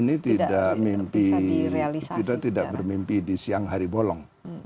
ini tidak mimpi kita tidak bermimpi di siang hari bolong